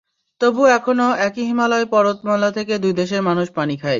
তবু এখনো একই হিমালয় পর্বতমালা থেকে দুই দেশের মানুষ পানি পায়।